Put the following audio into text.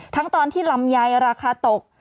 ทั้งตอนที่รำไยราคาตก